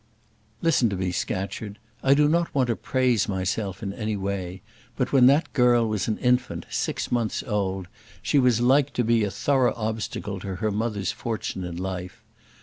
"Listen to me, Scatcherd. I do not want to praise myself in any way; but when that girl was an infant, six months old, she was like to be a thorough obstacle to her mother's fortune in life.